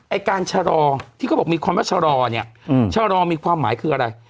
ไอ้การชะลอที่เขาบอกมีความว่าชะลอเนี่ยชะลอมีความหมายคืออะไร